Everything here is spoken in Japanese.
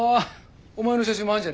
お前の写真もあんじゃねえか？